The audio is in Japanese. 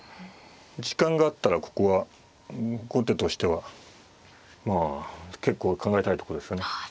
時間があったらここは後手としては結構考えたいとこですよね。